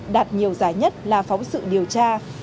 đạt nhiều giải nhất là phóng sự điều tra